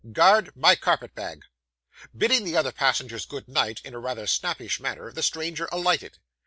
Guard, my carpet bag!' Bidding the other passengers good night, in a rather snappish manner, the stranger alighted.